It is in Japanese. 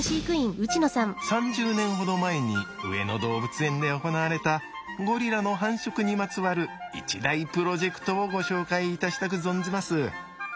３０年ほど前に上野動物園で行われたゴリラの繁殖にまつわる一大プロジェクトをご紹介いたしたく存じます。